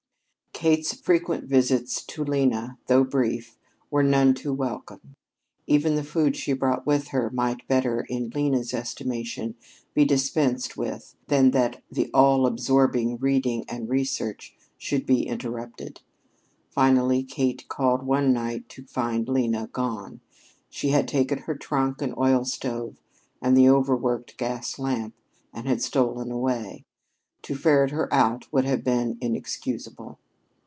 Kate's frequent visits to Lena, though brief, were none too welcome. Even the food she brought with her might better, in Lena's estimation, be dispensed with than that the all absorbing reading and research should be interrupted. Finally Kate called one night to find Lena gone. She had taken her trunk and oil stove and the overworked gas lamp and had stolen away. To ferret her out would have been inexcusable.